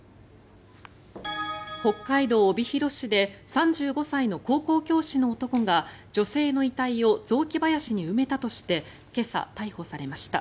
北海道帯広市で３５歳の高校教師の男が女性の遺体を雑木林に埋めたとして今朝、逮捕されました。